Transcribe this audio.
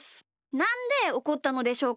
なんでおこったのでしょうか？